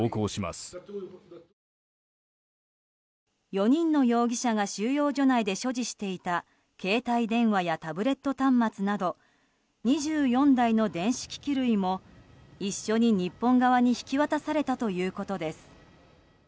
４人の容疑者が収容所内で所持していた携帯電話やタブレット端末など２４台の電子機器類も一緒に日本側に引き渡されたということです。